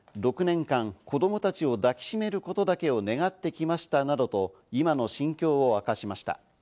６年間、子供たちを抱きしめることだけを願ってきましたなどと、今の心境を明かしました。